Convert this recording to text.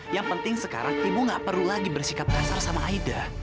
yang penting sekarang ibu gak perlu lagi bersikap kasar sama aida